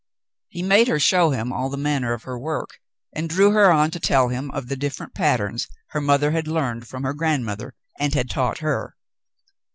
He made her show him all the manner of her work and drew her on to tell him of the different patterns her mother had learned from her grand mother and had taught her.